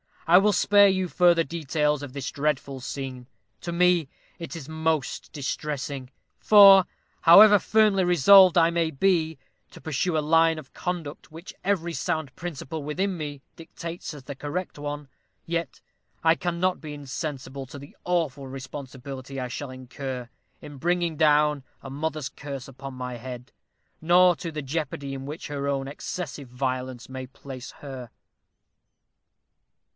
I will spare you further details of this dreadful scene. To me it is most distressing; for, however firmly resolved I may be to pursue a line of conduct which every sound principle within me dictates as the correct one, yet I cannot be insensible to the awful responsibility I shall incur in bringing down a mother's curse upon my head, nor to the jeopardy in which her own excessive violence may place her."